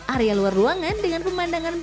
area luar ruangan dengan pemandangan berbeda